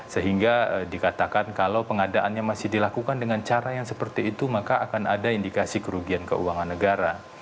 sehingga dikatakan kalau pengadaannya masih dilakukan dengan cara yang seperti itu maka akan ada indikasi kerugian keuangan negara